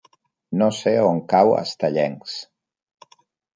No sé on cau Estellencs.